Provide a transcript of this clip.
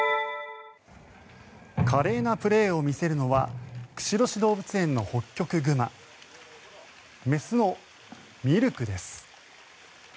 華麗なプレーを見せるのは釧路市動物園のホッキョクグマ雌のミルクです。